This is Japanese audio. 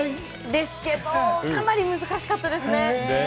ですけれども、かなり難しかったですね。